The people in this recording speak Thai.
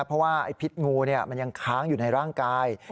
เพราะว่าไอ้พิษงูมันยังค้างอยู่ในร่างกาย